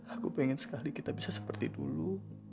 aku pengen sekali kita bisa seperti dulu